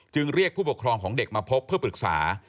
เรียกผู้ปกครองของเด็กมาพบเพื่อปรึกษา